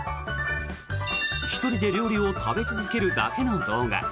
１人で料理を食べ続けるだけの動画。